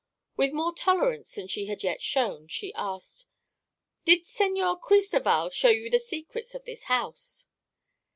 With more tolerance than she had yet shown she asked: "Did Señor Cristoval show you the secrets of this house?"